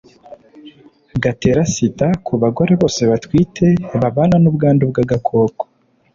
gatera SIDA ku bagore bose batwite babana n ubwandu bw agakoko